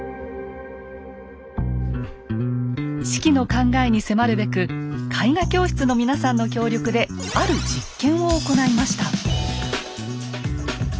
子規の考えに迫るべく絵画教室の皆さんの協力である実験を行いました。